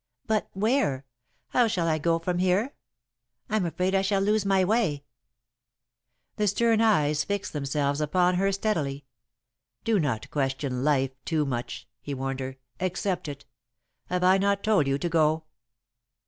"But where? How shall I go from here? I'm afraid I shall lose my way." [Sidenote: On the Upward Trail] The stern eyes fixed themselves upon her steadily. "Do not question Life too much," he warned her. "Accept it. Have I not told you to go?"